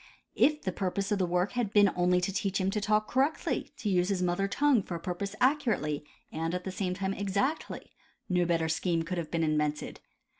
If the purpose of the work had been only to teach him to talk cor rectly, to use his mother tongue for a purpose accurately and at the same time exactly, no better scheme could have been in vented.